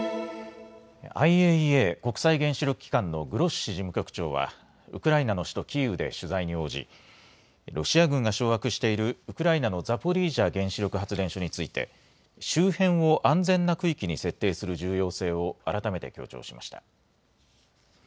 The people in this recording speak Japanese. ＩＡＥＡ・国際原子力機関のグロッシ事務局長はウクライナの首都キーウで取材に応じロシア軍が掌握しているウクライナのザポリージャ原子力発電所について周辺を安全な区域に設定する重要性を改めて強調しました。